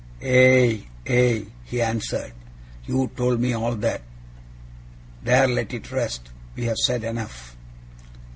'Aye, aye,' he answered, 'you told me all that. There let it rest. We have said enough!